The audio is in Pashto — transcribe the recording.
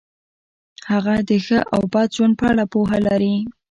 هغه د ښه او بد ژوند په اړه پوهه لري.